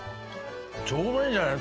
ちょうどいいんじゃない？